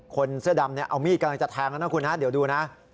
คนเสื้อดำเอามีดกำลังจะแทงแล้วนะคุณฮะเดี๋ยวดูนะ